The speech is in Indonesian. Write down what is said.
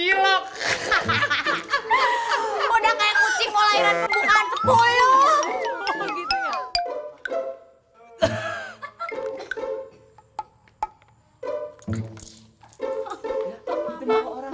udah kayak kucing mau lahiran pembukaan sepuluh